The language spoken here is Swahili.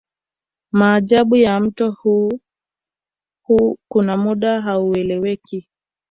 Maajabu ya mto huu kuna muda haueleweki